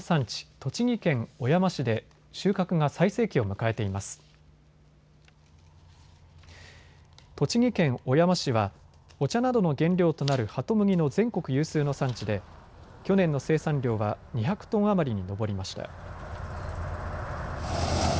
栃木県小山市はお茶などの原料となるハトムギの全国有数の産地で去年の生産量は２００トン余りに上りました。